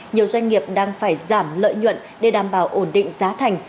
nhiều doanh nghiệp đang phải giảm lợi nhuận để đảm bảo ổn định giá thành